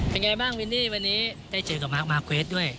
เป็นไงบ้างวินนี่วันนี้ได้เจอกับมาร์คมาร์เกวดด้วย